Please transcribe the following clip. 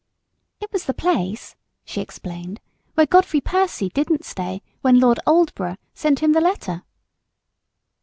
"It was the place," she explained, "where Godfrey Percy didn't stay when Lord Oldborough sent him the letter."